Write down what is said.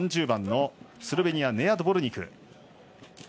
３０番のスロベニア、ネヤ・ドボルニーク。